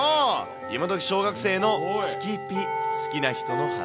今どき小学生の好きピ、好きな人の話。